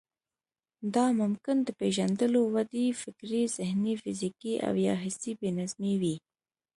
دا ممکن د پېژندلو، ودې، فکري، ذهني، فزيکي او يا حسي بې نظمي وي.